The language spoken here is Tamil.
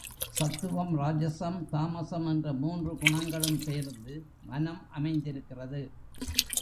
சத்துவம் ராஜசம், தாமசம் என்ற மூன்று குணங்களும் சேர்ந்து மனம் அமைந்திருக்கிறது.